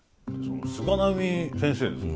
菅波先生ですか？